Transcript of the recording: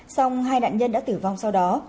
xong hai nạn nhân đã tử vong sau đó